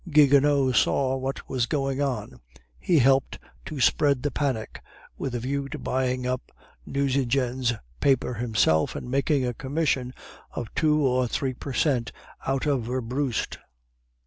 Gigonnet saw what was going on. He helped to spread the panic, with a view to buying up Nucingen's paper himself and making a commission of two or three per cent out of Werbrust.